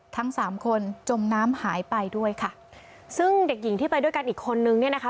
ทั้งสามคนจมน้ำหายไปด้วยค่ะซึ่งเด็กหญิงที่ไปด้วยกันอีกคนนึงเนี่ยนะคะ